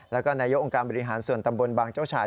แล้วก็นายกองค์การบริหารส่วนตำบลบางเจ้าชาย